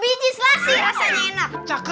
biji selasih rasanya enak